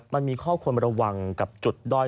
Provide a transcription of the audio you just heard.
มันมีข้อควรระวังกับจุดด้อย